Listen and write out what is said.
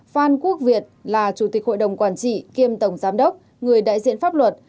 phan quốc việt là chủ tịch hội đồng quản trị kiêm tổng giám đốc người đại diện pháp luật